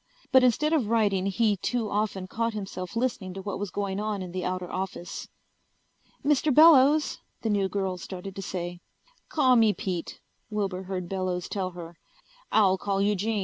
But instead of writing he too often caught himself listening to what was going on in the outer office. "Mr. Bellows " the new girl started to say. "Call me Pete," Wilbur heard Bellows tell her. "I'll call you Jean.